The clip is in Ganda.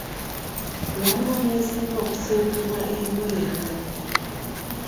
Waliwo n'ezirina okusimbibwa ebweru